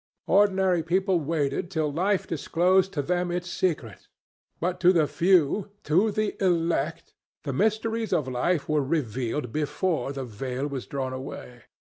Ordinary people waited till life disclosed to them its secrets, but to the few, to the elect, the mysteries of life were revealed before the veil was drawn away.